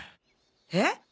えっ！